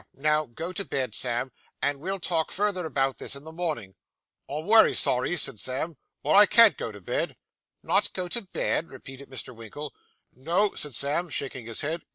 Now go to bed, Sam, and we'll talk further about this in the morning.' 'I'm wery sorry,' said Sam, 'but I can't go to bed.' 'Not go to bed!' repeated Mr. Winkle. 'No,' said Sam, shaking his head.